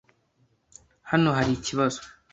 Hano hari ikibazo?